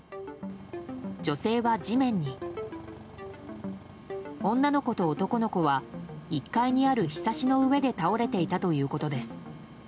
女性は地面に女の子と男の子は１階にあるひさしの上で倒れていたということです。